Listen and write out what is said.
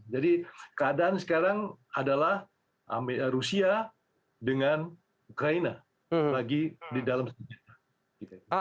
jadi keadaan sekarang adalah rusia dengan ukraina lagi di dalam senjata